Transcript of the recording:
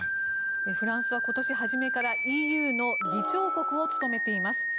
フランスは今年初めごろからＥＵの議長国を務めています。